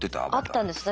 あったんです。